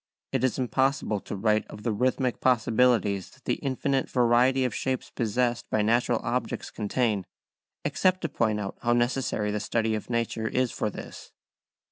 It is impossible to write of the rhythmic possibilities that the infinite variety of shapes possessed by natural objects contain, except to point out how necessary the study of nature is for this.